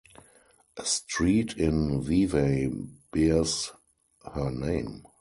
A street in Vevey bears her name.